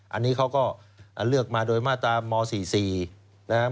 อันนี้เขาก็เลือกมาโดยมาตราม๔๔นะครับ